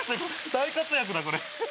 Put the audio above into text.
大活躍だこれ。